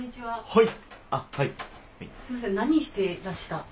はい。